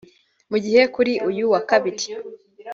Mu gihe kuri uyu wa Kabiri